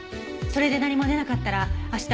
それで何も出なかったら明日